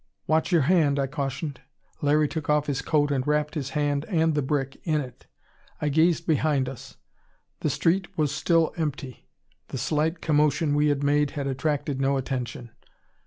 "Watch your hand," I cautioned. Larry took off his coat and wrapped his hand and the brick in it. I gazed behind us. The street was still empty. The slight commotion we had made had attracted no attention.